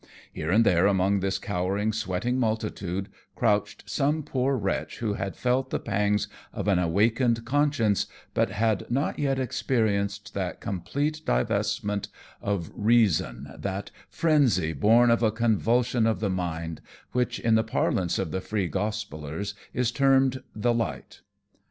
Here and there among this cowering, sweating multitude crouched some poor wretch who had felt the pangs of an awakened conscience, but had not yet experienced that complete divestment of reason, that frenzy born of a convulsion of the mind, which, in the parlance of the Free Gospellers, is termed "the Light."